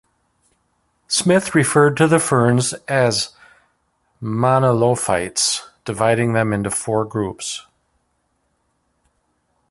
Smith referred to the ferns as monilophytes, dividing them into four groups.